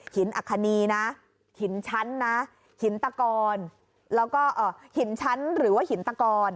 อัคคณีนะหินชั้นนะหินตะกอนแล้วก็หินชั้นหรือว่าหินตะกอน